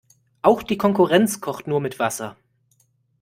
Auch die Konkurrenz kocht nur mit Wasser.